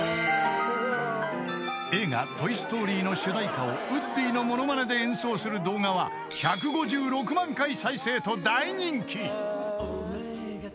［映画『トイ・ストーリー』の主題歌をウッディの物まねで演奏する動画は１５６万回再生と大人気］